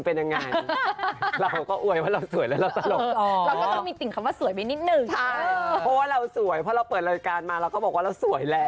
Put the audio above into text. เพราะว่าเราสวยเพราะเราเปิดรายการมาเราก็บอกว่าเราสวยแหละ